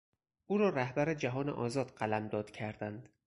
او را رهبر جهان آزاد قلمداد میکردند.